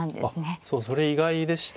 あっそうそれ意外でしたね。